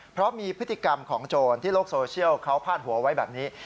เพราะมีพฤติกรรมของโจรที่โลกโซเชียลเขาพาดหัวไว้แบบนี้